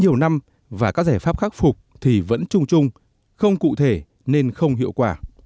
nhiều năm và các giải pháp khắc phục thì vẫn trung trung không cụ thể nên không hiệu quả